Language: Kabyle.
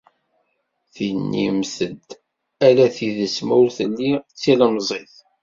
Tinim-d ala tidet ma ur telli d tilemẓit.